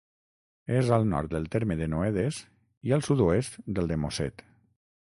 És al nord del terme de Noedes i al sud-oest del de Mosset.